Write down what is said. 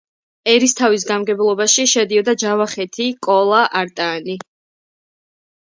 ერისთავის გამგებლობაში შედიოდა ჯავახეთი, კოლა, არტაანი.